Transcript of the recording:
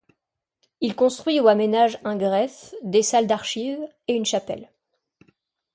Il construit ou aménage un greffe, des salles d'archives et une chapelle.